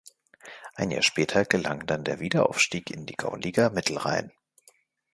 Ein Jahr später gelang dann der Wiederaufstieg in die Gauliga Mittelrhein.